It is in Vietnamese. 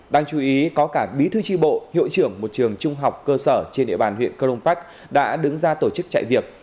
đang chú ý có cả bí thư tri bộ hiệu trưởng một trường trung học cơ sở trên địa bàn huyện cơ đông bắc đã đứng ra tổ chức chạy việc